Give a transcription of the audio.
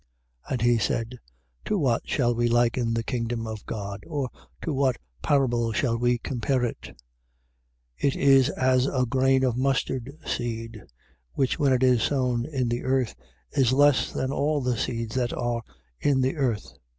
4:30. And he said: To what shall we liken the kingdom of God? or to what parable shall we compare it? 4:31. It is as a grain of mustard seed: which when it is sown in the earth, is less than all the seeds that are in the earth: 4:32.